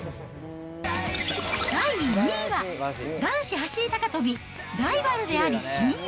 第２位は、男子走り高跳び、ライバルであり親友！